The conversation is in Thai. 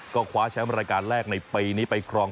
ก็คว้าแชมป์รายการแรกในปีนี้ไปครอง